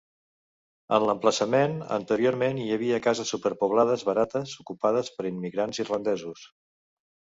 En l'emplaçament, anteriorment hi havia cases superpoblades barates ocupades per immigrants irlandesos.